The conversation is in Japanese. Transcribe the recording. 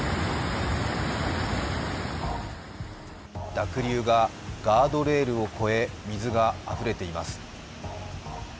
濁流がガードレールを越え、水があふれています。